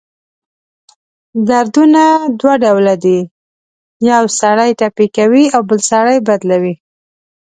دردونه دوه ډؤله دی: یؤ سړی ټپي کوي اؤ بل سړی بدلؤي.